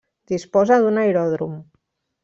Disposa d'un aeròdrom.